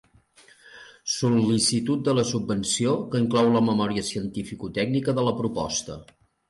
Sol·licitud de la subvenció, que inclou la memòria cientificotècnica de la proposta.